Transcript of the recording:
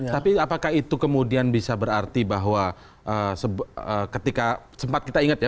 tapi apakah itu kemudian bisa berarti bahwa ketika sempat kita ingat ya